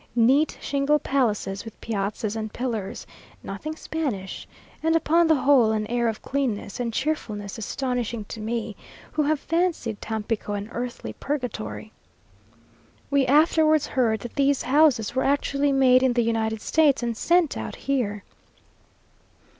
Neat "shingle palaces," with piazzas and pillars; nothing Spanish, and upon the whole, an air of cleanness and cheerfulness astonishing to me who have fancied Tampico an earthly purgatory. We afterwards heard that these houses were actually made in the United States and sent out here.